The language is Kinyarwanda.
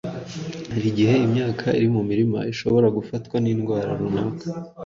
Hari igihe imyaka iri murima ishobora gufatwa n’indwara runaka,